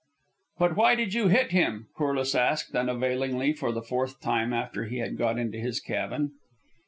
"But why did you hit him?" Corliss asked, unavailingly, for the fourth time after he had got into his cabin.